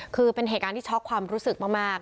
คือเป็นเหตุการณ์ที่ช็อกความรู้สึกมาก